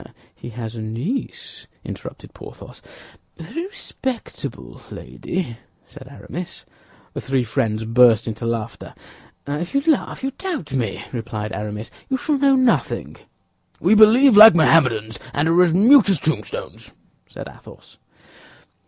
"Ah, he has a niece!" interrupted Porthos. "A very respectable lady," said Aramis. The three friends burst into laughter. "Ah, if you laugh, if you doubt me," replied Aramis, "you shall know nothing." "We believe like Mohammedans, and are as mute as tombstones," said Athos.